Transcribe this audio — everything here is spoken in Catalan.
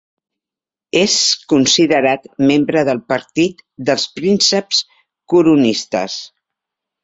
És considerat membre del partit dels prínceps coronistes.